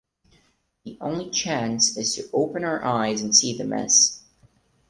The only chance is to open our eyes and see the mess.